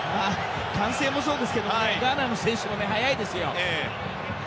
歓声もそうですがガーナの選手も速いですよ。